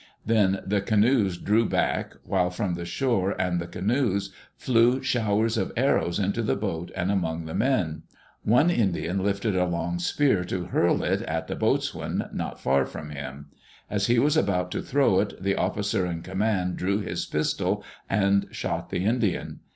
Then the canoes drew back, while from the shore and the canoes flew showers of arrows into the boat and among the men. One Indian lifted a long spear to hurl it at the boatswain, not far from him. As he was about to throw it, the officer in command drew his pistol and shot the Indian.